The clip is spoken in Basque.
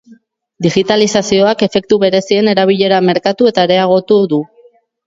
Digitalizazioak efektu berezien erabilera merkatu eta areagotu du.